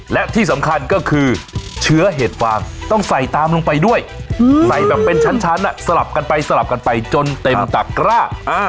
และที่สำคัญก็คือเชื้อเห็ดฟางต้องใส่ตามลงไปด้วยใส่แบบเป็นชั้นสลับกันไปสลับกันไปจนเต็มตักกร้า